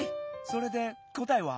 それでこたえは？